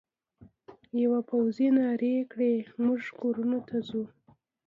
یوه پوځي نارې کړې: موږ کورونو ته ځو.